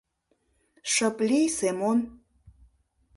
Шып лий, Семон!